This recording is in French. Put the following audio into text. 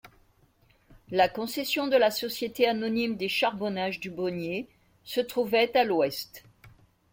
La concession de la Société anonyme des Charbonnages du Bonnier se trouvait à l'ouest.